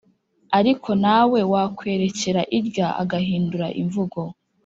ariko nawe wakwerekera irya agahindura imvugo,